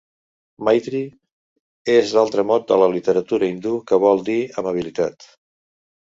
"Maitri" és un altre mot de la literatura hindú que vol dir "amabilitat".